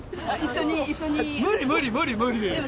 無理無理無理無理。